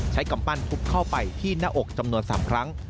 กำปั้นทุบเข้าไปที่หน้าอกจำนวน๓ครั้ง